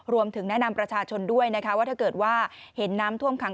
รวมถึงแนะนำประชาชนด้วยนะคะว่าถ้าเกิดว่าเห็นน้ำท่วมขัง